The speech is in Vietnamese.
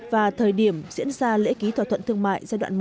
và thời điểm diễn ra lễ ký thỏa thuận thương mại giai đoạn một